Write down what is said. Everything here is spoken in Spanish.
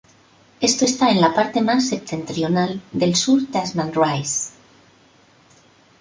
Esto está en la parte más septentrional del Sur Tasman Rise.